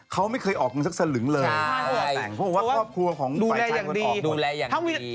เขาไม่เคยออกเงินสักสลึงเลยเพราะว่าครอบครัวของฝ่ายชายคนออกดูแลอย่างดี